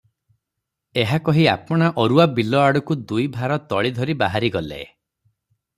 ଏହା କହି ଆପଣା ଅରୁଆ ବିଲ ଆଡ଼କୁ ଦୁଇ ଭାର ତଳି ଧରି ବାହାରି ଗଲେ ।